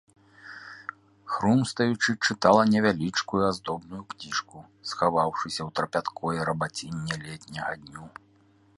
Хрумстаючы, чытала невялічкую аздобную кніжку, схаваўшыся ў трапяткое рабацінне летняга дню.